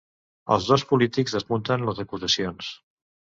Els dos polítics desmunten les acusacions